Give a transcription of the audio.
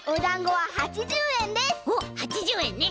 おっ８０えんね。